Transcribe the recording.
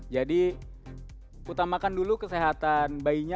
jadi utamakan dulu kesehatan bayinya